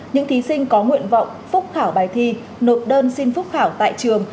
những thí sinh có nguyện vọng phúc khảo bài thi nộp đơn xin phúc khảo tại trường